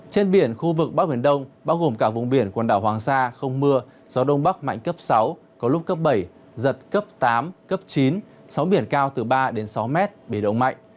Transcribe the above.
trên biển khu vực bắc biển đông bao gồm cả vùng biển quần đảo hoàng sa không mưa gió đông bắc mạnh cấp sáu có lúc cấp bảy giật cấp tám cấp chín sóng biển cao từ ba đến sáu mét biển động mạnh